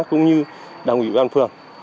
cũng như đảng ủy ủy ban phường